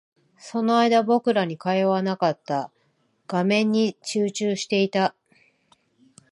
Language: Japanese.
その間、僕らに会話はなかった。画面に集中していた。